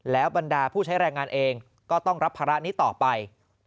บรรดาผู้ใช้แรงงานเองก็ต้องรับภาระนี้ต่อไป